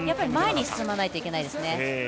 前に進まないといけないですね。